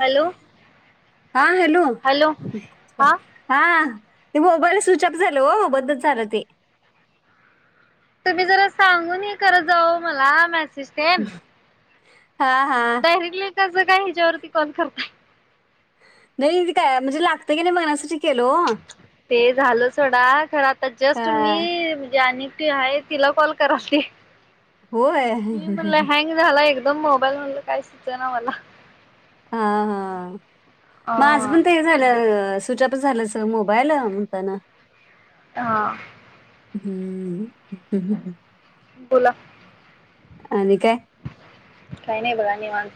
Hello हा hello हा हा ते मोबाईल स्विचअप झालं हो बद्दल झाचालं ते तुम्ही जरा सांगून हे खरं जाऊ मला मेसेज देन हा हा कस काय ह्याच्यावरती कोण करत नाही काय म्हणजे लागत की नाही मना ते झालं सोडा खरं आता जस्ट हा, मी म्हणजे आणि आहे तिला कॉल कराली होय मी म्हणल हँग झाला एकदा द मोबाईल म्हणलं काय सुचय ना मला हा हा मज हा पण ते झालं स्विचअप झालंच मोबाईल म्हणताना हा हम्म बोला अ न काय काही नाही बघा मग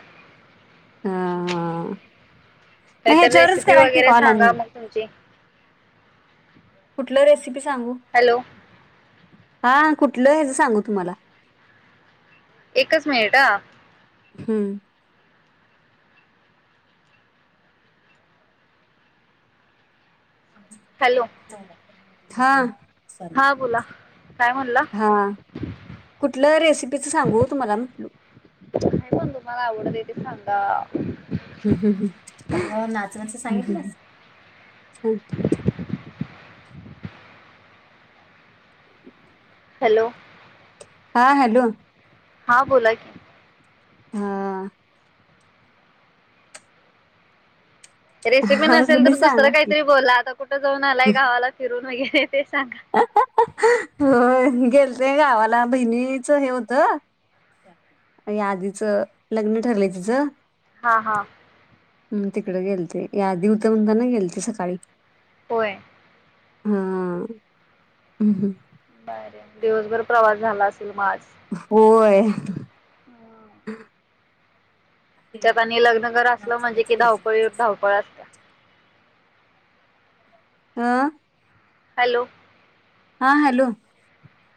महे काहीतरी जोरस रेसिपी करा की वगैरे कॉलनी सांगा मग तुमची कुठलं रेसिपी सांगू हॅलो हा कुठलं आहेच सांगू तुम्हाला एकच मिनिट ह हम्म आम हॅलो पनमाव ते पव ह हा बोला काय म्हणला हा कुठलं रेसिपीच सांगू तुम्हाला म्हटल पण तुम्हाला आवडत येथे सांगा नाच नाच सांगितलं [inaudible] हॅलो हा हॅलो हा बोला की हा रेसिपी आता नसेल तुम्ही तर दुसरं सांगा की. काहीतरी बोलला आता कुठं जाऊन आलाय गावाला फिरून वगैरे ते सांगा हो गेले े गावाला बहिणीच हे होतं या आधीचं लग्न ठरलंय तिचं हा हा हम् तिकडे गेलते याधी उत म्हणताना गेलते सकाळी होय हा ह् हम् बर दिवसभर प्रवास झाला असेल मा होय हम त्यात आणि लग्न घर असलं म्हणजे कि धावपळी वर धावपळ असत्या आा हॅलो हा हॅलो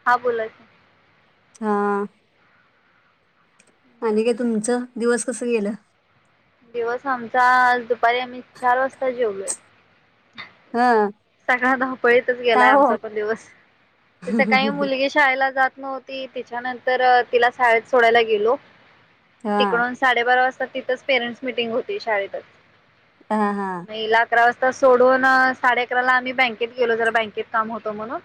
हा बोला की हा आणि काय तुमचं दिवस कसं केलं दिवस आमचा आज दुपारी आम्ही चार वाजता जेवलोय हा सकाळ धावपळीतच का गेलाय हो आमचा पण दिवस ते सकाळी मुलगी शाळेला जात नव्हती तिच्यानंतर तिला शाळेत सोडायला गेलो हा तिकडून साडेबारा वाजता तिथच पेरेंट्स मिटिंग होती शाळेतच हा हा मग हिला अकरा वाजता सोडून साडे अकराला आम्ही बँकेत गेलो जरा बँकेत काम होतो म्हणून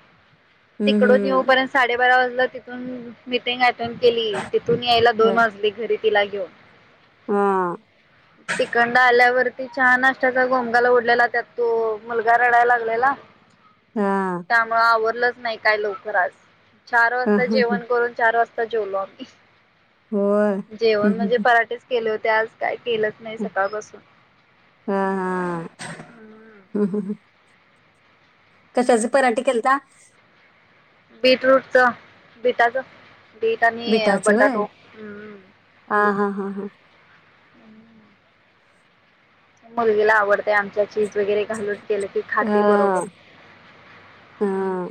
हम्म तिकडच येऊ हम्म. पर्यंत साडेबारा वाजला तिथून मिटिंग केली तेिथून यायला दोन हा वाजले घरी तिला घेऊन तिकंड आल्यावर चहा नाष्ट्याचा घोमंगाला उडलेला त्यात तो मुलगा रडायला लागलेला हा त्यामुळ आवरलंच नाही काय लवकर आज चार हा वाजता हा. जेवण करून चार वाजता जेवलो आम्ही होय. जेवण हम्म म्हणजे हम्म पराठेच केले होते आज काय केलंच नाही हम्म. सकाळपासून हा हा हम कशाचे पराठे केलता बीटरूट च बीटाच बट आणि बिटाच होय बटाटो हम्म हा हा हा हा मुलगीला आवडतय आमच्या चीज वगैरे घालून गेलं की हा खाते बरोबर हम्म. हा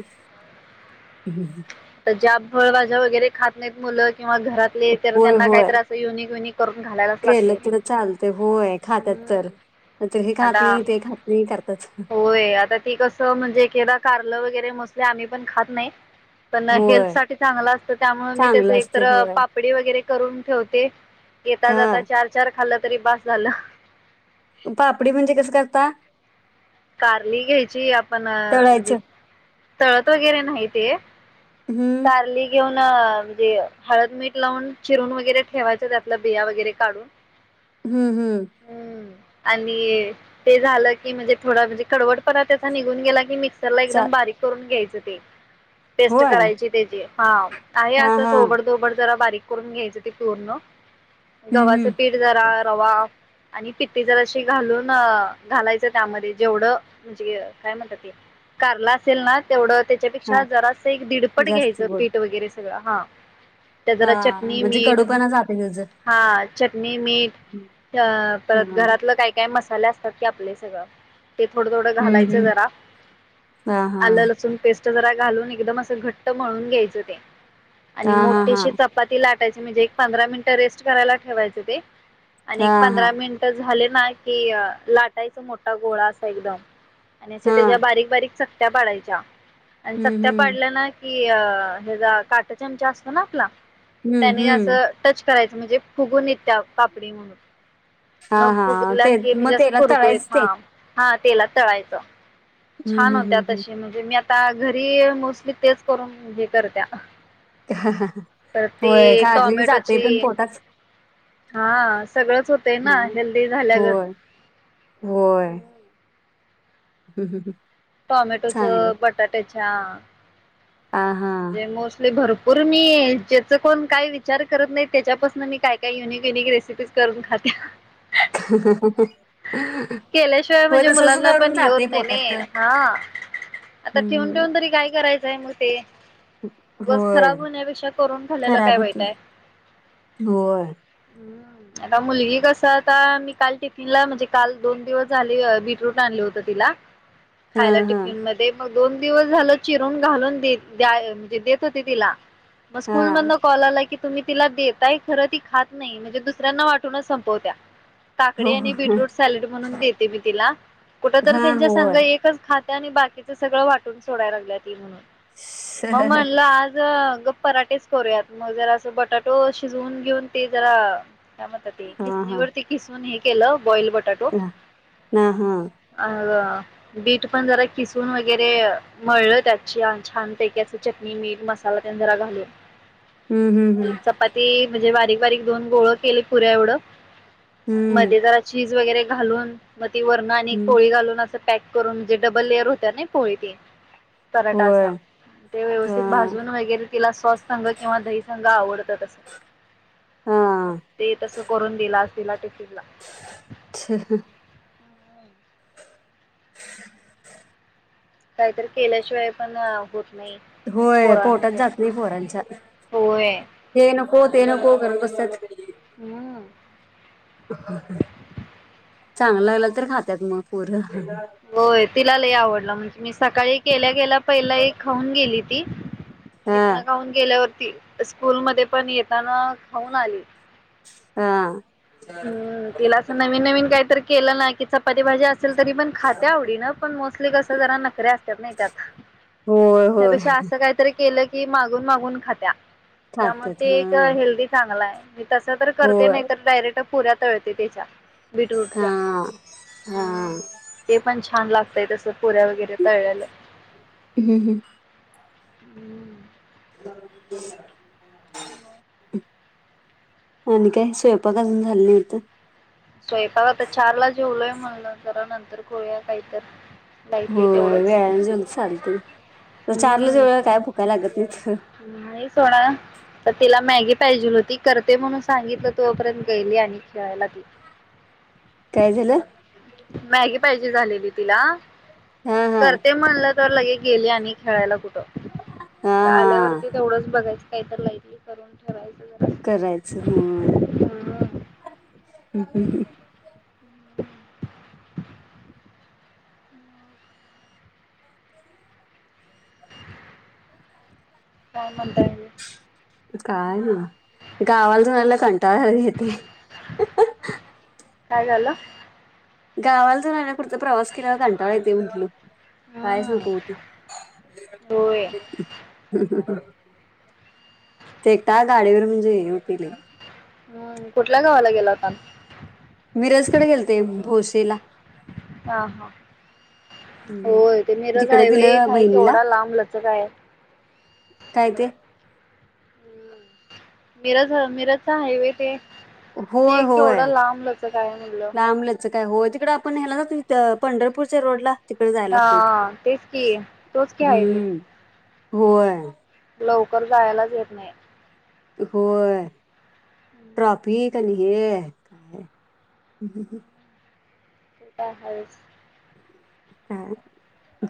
ह् तर ज्या फळभाज्या वगैरे खात नाहीत मुलं किंवा घरातले तर होय त्यांना काहीत होय असं युनिक युनिक करून घालायलाच केलं लागतंय तर चालतंय होय खात्यात तर तर हे खात आता नाही ते खात नाही करतात होय आता ती कसं म्हणजे एकेकदा कारलं वगैरे मस्त आम्ही पण खात नाही पण होय हेल्थसाठी चांगलं असतं त्यामुळे मी त्याच चांगलं असते एकतर होय पापडी वगैरे करून ठेवते येता जाता हा चार चार खाल्लं तरी बास झालं पापडी म्हणजे कसं करता कारली घ्यायची आपण म्हणजे तळायचं तळत वगैरे नाही ते हम्म कारली घेऊन म्हणजे हळद मीठ लावून चिरून वगैरे ठेवायचं त्यातलं बिया वगैरे काढून हम्म हम्म हम्म आणि ते झालं की म्हणजे थोडा म्हणजे कडवटपणा त्याचा निघून गेला की मिक्स चा एकदम बारीक करून घ्यायच ते टेस्ट होय करायची त्याची हा आहे हा हा असं ओबडधोबड जरा बारीक करून घ्यायचं ते पूर्ण हम्म गव्हाच हम्म पीठ जरा रवा आणि पिठ्ठी जराशी घालून घालायचं त्यामध्ये जेवढं म्हणजे काय म्हणतात ते कारला असेल ना,, तेवढंऽऽ हा त्याच्यापेक्षा जरास एक दीडपट जास्त घ्यायचं गोड पीठ वगैरे सगळं,, हां. त्यात हा जरा चटणी म्हणजे मीठऽऽ कडूपणा जाते त्याच हा हां,, चटणी मीठ अ परत हम्म घरातलं काय काय मसाऽऽ झाले असतात की आपले सगळंऽऽ ते थोडं, थोडं घालायचं हम्म. जरा,, आलं लसूण पेस्ट जरा घालून एकदम असं घटऽऽ मळुन घ्यायच ते,, आणि मोठीशी चपाती लाटऽऽ चं म्हेजे एक पंधरा मिनटं रेस्ट करायला ठेवायच ते,, आणि एक पंधरा मिनिट झाऽऽ ना कि अं लाटायचा मोठा गोळा असा एकदम, आणि असे त्याच्या हां. बारीक, बारीक चऽऽ चकत्या पाडायच्या, आणि हं, चकत्या हं. पाडल्यानऽऽ कि अ हजार,, काटा चमचा असतो ना आपला हं, त्यानी हं. असं टचऽऽ करायच म्हणजे फुगून येत त्या पापडी म्हणूनऽऽ हां, न हां. फूगला ते की मजे मग जसं त्याला कुरकुरीत, तळायचं ते. हां. हा तेलात तळायचं, हं, छान हं, हं, होत्यात हं. तशी म्हणजे मी आऽऽ आता घरी मोस्टली तेच करून हे करत्याऱ्यपऽऽ तर होय, तेऽ खाल्ली की जाते पण टॉमॅटोचीऽऽ पोटात. हा सगळंच होतय ना हं. हेल्दी झाल्या गत होय, होय चांगलं. टॉमॅटोचं, बटाट्याच्याऽऽ हां, म्हणजे हां. मोस्टली भरपू र मी, ज्याच कोण काही विचार करत नाही त्याच्यापासून मी काय, काय युनिक, युनिक रेसिपीज करून खात [inaudible] हहहहह केल्याशिवाय म्हणजे मुलांना पण हे जाते होत नाही पोटात नाई, तर. हां. आता ठेवून, हं. ठेवून तरी काय करायचंय मग तेऽऽ उगच होय. खराब होण्यापेक्षा करून खालेलं काय खराब वाईट होतं. हाय होय, आता मुलगी कसं आता मी काल टिफीनला म्हणजे काल दोन दिवस झाले बीटरूट आणलं होत तिलाऽऽ खायला हां, हां. टिफिन मध्ये मग दोन दिवस झालं चिरून घालून देतऽऽ द्या म्हणजे देत होते तिला मग स्कूल मधन हां. कॉल आलाय कीऽऽ तुम्ही तिला देताय खरं, ती खात नाही, म्हणजे दुसऱ्यांना वाटूनच संपवत्या. काकडी हो, आणि हो. बीटरूट सॅलेड म्हणून देते मी तिला, कुठ तर हां, त्यांच्या संग होय. एकच खातऽऽ आणि बाकीच सगळं वाटून सोडाय लागल्या ती म्हणून मग म्हटलं आजऽऽ पराटेच करूयात, मग जरा असं बटाटो शिजवून घेऊन ते जराऽऽ काय म्हणतात ते, हां, हां. खिसणीवरती खिसून हे केलं. बॉईल बटाटो हां, हां. अंऽ बीट पण जरा किसून वगैरे, मळलं त्याचीऽऽ छान पैकी असं चटणी मीठ, मसाला तेन जरा घालून, हं, हं, हं. चपातीऽऽ म्हणजे बारीक, बारीक दोन गोळं केले पुऱ्या एवढं, हं, मध्ये जरा चीज वगैरेऽऽ घालून मग ती वरणं आणि एक हं. पोळी घालून असऽऽ पॅक करून जे डबल लेअर होत्या नाई पोळी ती पराटा होय. असा ते व्यवस्थित हां, भाजून वगैरे तिला सॉस संग किंवा दही संग आवडत तसंऽऽ हां. ते तसं करून दिलं आज तिला, टिफिनला. [inaudible] काहीतरी केल्याशिवाय पण होतऽऽ होय,, पोटात जात नाही पोरांच्या,, होय. हे नकोऽऽ हो, ते नको करत बसत्यात. हम्म चांगल लागलं तर खात्यात मग पोरं. होय तिला लय आवडलं म्हणजे मी सकाळी केल्या केल्याऽऽ पहिला एक खाऊन गेली ती हितन हां, खाऊन गेल्यावरती स्कूल मध्ये पण येताना खाऊन आली हा हम् तिला असं नवीन नवीन काही तर केलं ना कि चपाती भाजी अस असलं तरी पण खात्या आवडीन पण मोस्टली कस जरा नखऱे असत्यात नाही त्यात होय, होय. त्यापेक्षा असं काहीतरी केलं की की मागून मागून खात्या त्यामुळे खात्यात. ते एक हां. हेल्दी चांगला आहे मी तस तर करते होय. नाही तर डायरेक्ट पुऱ्या तळते त्याच्या बीटरूटच्या हां, हां. ह्म्म्म ते पण छान लागतय तसं पुऱ्या वगैरे तळलेलं हम्म हम्म हम्म [inaudible] आणि काय स्वयंपाक अजून झाले नाही वाटतं स्वयंपाक आता चार ला जेवलोय म्हणलं जरा नंतर करूया कायतर होय वेळानं जेवलं तर चालतय तर चारला हम्म जेवल्यावर काय भुका लागत नाहीत नाही सोडा तर तिला मॅगी पाहिजे होती करते म्हणून सांगितलं तोपर्यंत गेली आणि खेळायला काय झालं मॅगी पाहिजे झालेली तिला हां, हां. करते म्हणलं तर लगे गेली आणि खेळायला कुठ - हां, आल्यावरती हां. तेवढंच बघायचं काहीतर लाईटली - करून ठेवायच जरा करायचं ह् हम्म [inaudible] काय म्हणताय आणि - [unintelligible] गावाल जराला कंटाळरी येते काय झालं गावाल जाऊन आल्या वर ना कुठतर प्रवास केल्यावर कंटाळा येतो य म्हटल कायच हम्म नको होतय होय ते एकटाक गाडीवर म्हणजे [unintelligible] हम्म कुठल्या गावाला गेला होता मिरजकडे गेलते भोशीला हा हा होय ते मिरज तिकड हायवे दिलं हाय केवढा लांब लचक आहे कायते मीरज मीरज चा हायवे ते होय ते केवढं होय. लांबलंच काय म्हटलं लांबलच काय हो तिकडे आपण न्यायला जो पंढरपूरच्या रोड ला तिकडे जायला लागतय ते हा तेच की तोच की हायवे हम्म होय लवकर जायलाच येत नाही होय ट्रॉफिक तेन ह्य काय [unintelligible] काय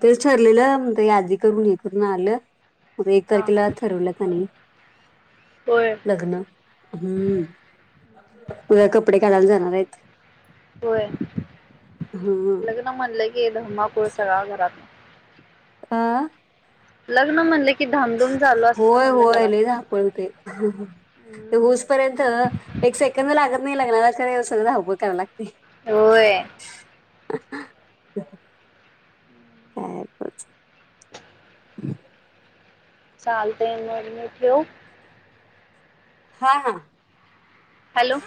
तेच ठरलेलं म्हण यादी करून हे करून आलं म एक हा तारखेला ठरवलं त्यांनी होय लग्न हम्म उद्या कपडे काढायला जाणार आहेत होय ह लग्न म्हणलं ग धमाकुळ सगळा घरात आह लग्न म्हणलकी होय होय लय धावपळ होतय ते ऊस पर्यंत एक सेकंद लागत नाही लग्नाला तर सगळं धावं पळ कराय लागत य होय [unintelligible] [unintelligible] चालतंयं म मी ठेऊ हा हा हॅलो